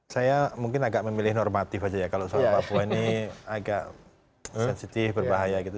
saya mungkin agak memilih normatif aja ya kalau soal papua ini agak sensitif berbahaya gitu